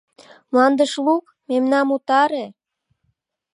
Мландыш лук, мемнам утаре!»